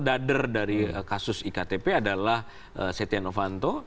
dader dari kasus iktp adalah setia novanto